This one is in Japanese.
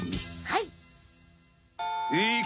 はい。